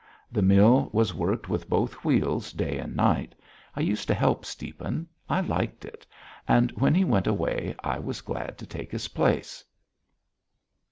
The mill was worked with both wheels day and night. I used to help Stiepan, I liked it, and when he went away I was glad to take his place.